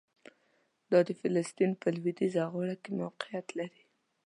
دا د فلسطین په لویدیځه غاړه کې موقعیت لري.